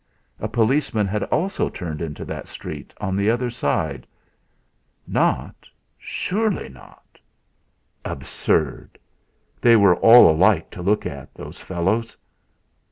A policeman had also turned into that street on the other side. Not surely not! Absurd! They were all alike to look at those fellows!